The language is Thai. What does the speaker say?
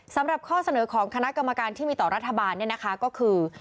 สำหรับข้อเสนอของคณะกรรมการที่มีต่อรัฐบาลเนี่ยนะคะก็คือ